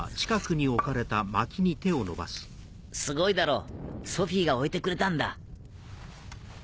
すごいだろソフィーが置いてくれたんだ。